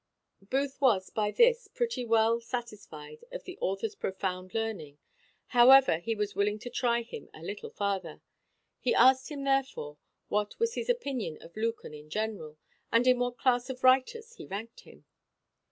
Booth was by this pretty well satisfied of the author's profound learning; however, he was willing to try him a little farther. He asked him, therefore, what was his opinion of Lucan in general, and in what class of writers he ranked him?